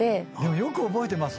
よく覚えてますね。